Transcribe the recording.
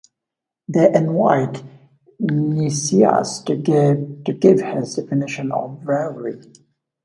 They invite Nicias to give his definition of bravery.